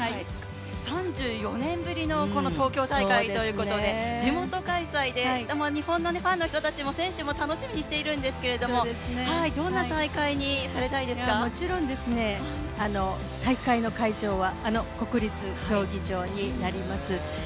３４年ぶりの東京大会ということで地元開催で日本のファンの人たちも選手も楽しみにしているんですけどもちろん大会の会場は、あの国立競技場になります。